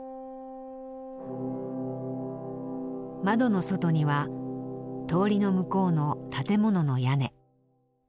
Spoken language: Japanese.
窓の外には通りの向こうの建物の屋根。